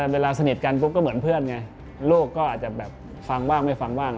เวลาสนิทกันปุ๊บก็เหมือนเพื่อนไงโลกก็อาจจะแบบฟังบ้างไม่ฟังบ้าง